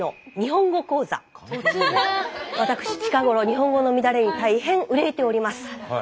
私近頃日本語の乱れに大変憂えております。